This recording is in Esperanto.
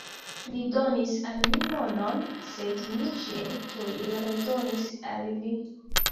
Li donis al mi monon, sed mi ĝin tuj redonis al li.